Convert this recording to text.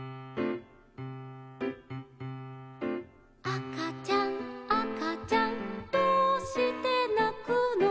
「あかちゃんあかちゃんどうしてなくの」